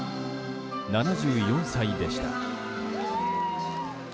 ７４歳でした。